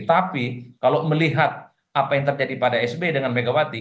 tapi kalau melihat apa yang terjadi pada sby dengan megawati